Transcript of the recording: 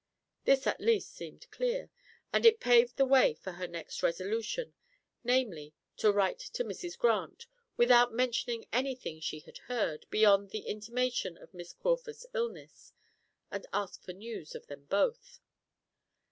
This at least seemed clear, and it paved the way for her next resolution, namely to write to Mrs. Grant, without mentioning anything she had heard, beyond the intimation of Miss Crawford's illness, and ask for news of them both.